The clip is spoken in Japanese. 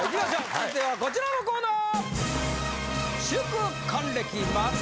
続いてはこちらのコーナー！